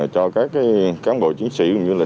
cho các cán bộ chiến sĩ như là